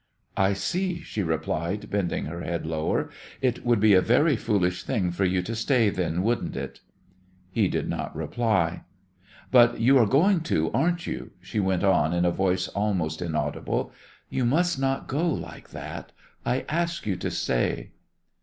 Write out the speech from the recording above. "I see," she replied, bending her head lower. "It would be a very foolish thing for you to stay, then, wouldn't it?" He did not reply. "But you are going to, aren't you?" she went on in a voice almost inaudible. "You must not go like that. I ask you to stay."